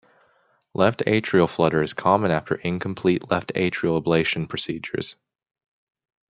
Left atrial flutter is common after incomplete left atrial ablation procedures.